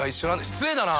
失礼だな！